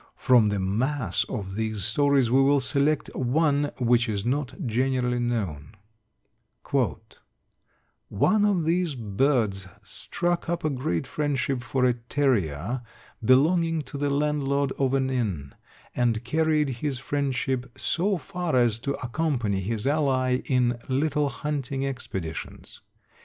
From the mass of these stories we will select one which is not generally known: "One of these birds struck up a great friendship for a terrier belonging to the landlord of an inn, and carried his friendship so far as to accompany his ally in little hunting expeditions.